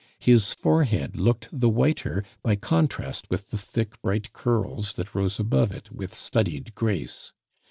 His forehead looked the whiter by contrast with the thick, bright curls that rose above it with studied grace.